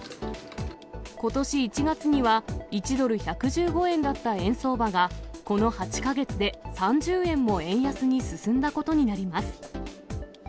ことし１月には１ドル１１５円だった円相場が、この８か月で３０円も円安に進んだことになります。